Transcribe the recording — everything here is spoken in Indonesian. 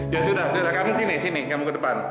ya sudah kamu sini sini kamu ke depan